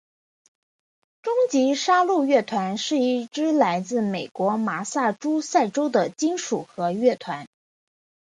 终极杀戮乐团是一支来自美国麻萨诸塞州的金属核乐团。